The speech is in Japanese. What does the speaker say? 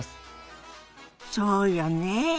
そうよね。